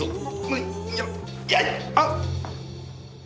あっ！